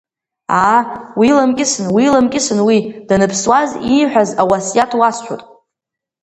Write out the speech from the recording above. Аа, уиламкьысын, уиламкьысын уи, даныԥсуаз ииҳәаз ауасиаҭ уасҳәот!